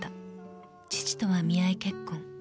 ［父とは見合い結婚］